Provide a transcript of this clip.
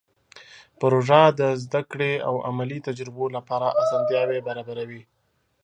پروژه د زده کړې او علمي تجربو لپاره اسانتیاوې برابروي.